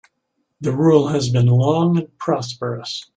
The rule has been long and prosperous.